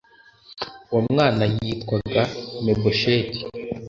Uwo mwana yitwaga Mebosheti